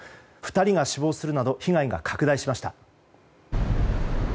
２人が死亡するなど被害が拡大しました。